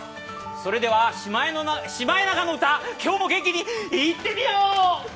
それでは「シマエナガの歌」、今日も元気にいってみよう。